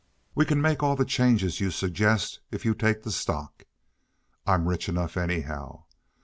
We can make all the changes you suggest if you take the stock. I'm rich enough anyhow.